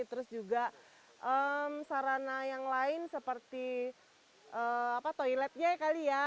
terus juga sarana yang lain seperti toiletnya